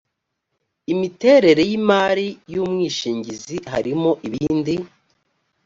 imiterere y’ imari y’umwishingizi harimo ibindi